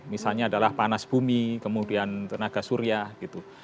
misalnya adalah panas bumi kemudian tenaga surya gitu